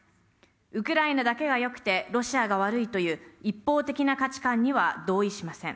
ウクライナだけがよくてロシアが悪いという一方的な価値観には同意しません。